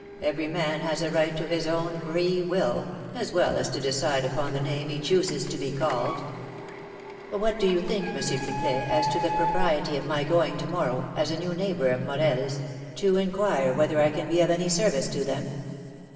Every man has a right to his own free will, as well as to decide upon the name he chooses to be called." "What do you think, M. Pipelet, as to the propriety of my going to morrow, as a new neighbour of Morel's, to inquire whether I can be of any service to them?